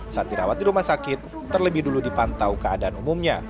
saat dirawat di rumah sakit terlebih dulu dipantau keadaan umumnya